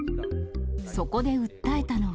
そこで訴えたのは。